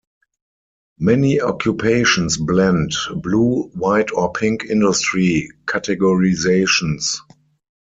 Many occupations blend blue, white or pink industry categorizations.